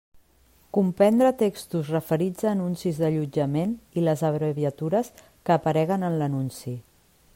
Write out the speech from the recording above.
Comprendre textos referits a anuncis d'allotjament i les abreviatures que apareguen en l'anunci.